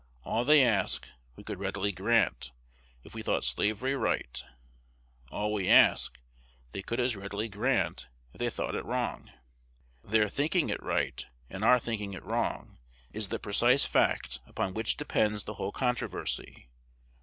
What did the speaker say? All they ask, we could readily grant, if we thought slavery right; all we ask, they could as readily grant, if they thought it wrong. Their thinking it right, and our thinking it wrong, is the precise fact upon which depends the whole controversy.